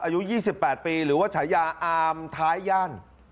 อายุ๒๘ปีหรือว่าฉายาอามท้ายย่าน